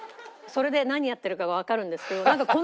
それで何やってるかがわかるんですけど。